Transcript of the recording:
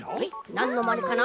なんのまねかな？